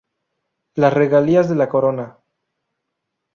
Las regalías de la Corona.